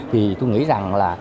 vì tôi nghĩ rằng là